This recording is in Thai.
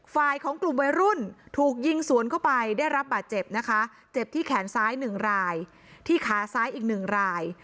ฝ่ายของกลุ่มวัยรุ่นถูกยิงสวนเข้าไปได้รับบาดเจ็บนะคะเจ็บที่แขนซ้ายหนึ่งรายที่ขาซ้ายอีกหนึ่งราย